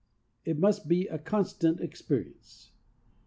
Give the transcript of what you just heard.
It must he a constant experience.